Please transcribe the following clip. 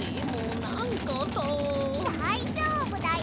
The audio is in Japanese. だいじょうぶだよ！